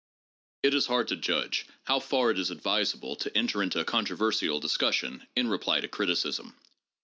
IT is hard to judge how far it is advisable to enter into controversial discussion in reply to criticism.